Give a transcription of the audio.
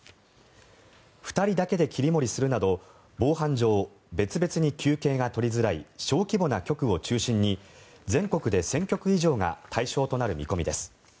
２人だけで切り盛りするなど防犯上、別々に休憩が取りづらい小規模な局を中心に全国で１０００局以上が対象となる見込みです。